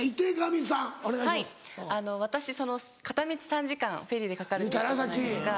私片道３時間フェリーでかかるって言ったじゃないですか。